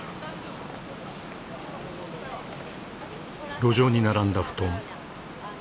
路上に並んだ布団。